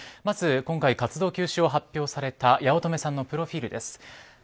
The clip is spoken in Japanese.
まず今回活動休止を発表された八乙女さんのプロフィールです。